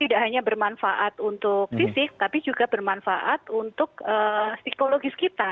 tidak hanya bermanfaat untuk fisik tapi juga bermanfaat untuk psikologis kita